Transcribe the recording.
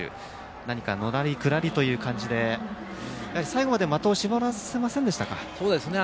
何か、のらりくらりという感じで最後まで的を絞らせませんでした。